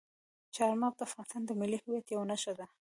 چار مغز د افغانستان د ملي هویت یوه نښه ده.